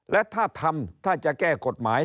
และถ้าทำถ้าจะแก้กฎหมาย